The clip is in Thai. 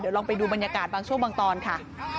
ลองไปดูบรรยากาศบางช่วงบางตอนค่ะ